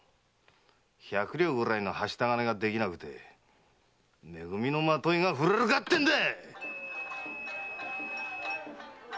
百両のはした金ができなくてめ組の纏が振れるかってんだ‼